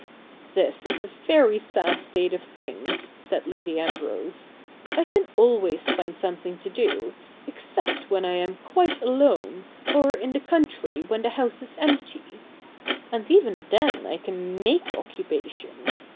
' This is a very sad state of things,' said Lady Ambrose ;^ I can always find something to do, except when I am quite alone, or in the country when the house is empty. And even then I can make occupation.